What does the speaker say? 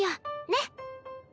ねっ。